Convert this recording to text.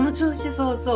そうそう。